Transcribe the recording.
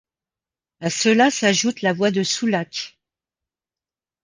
À cela s'ajoute la voie de Soulac.